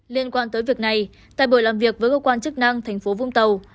liên quan tới việc này tại buổi làm việc với cơ quan chức năng tp vũng tàu